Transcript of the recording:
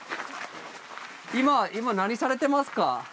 今今何されてますか？